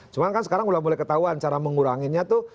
cuma kan sekarang udah mulai ketahuan cara menguranginya tuh